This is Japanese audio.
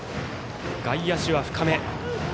外野手は深め。